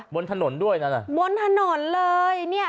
บนถนนด้วยนะเนี่ยบนถนนเลย